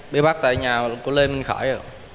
bị bắt tại nhà của lê minh khởi